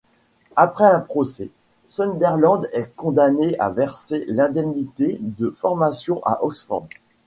Après un procès, Sunderland est condamné à verser d'indemnités de formation à Oxford.